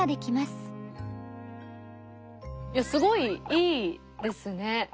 いやすごいいいですね。